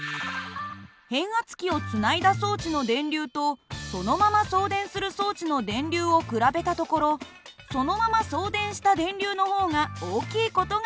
変圧器をつないだ装置の電流とそのまま送電する装置の電流を比べたところそのまま送電した電流の方が大きい事が分かりました。